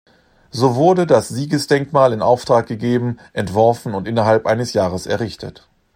So wurde das Siegesdenkmal in Auftrag gegeben, entworfen und innerhalb eines Jahres errichtet.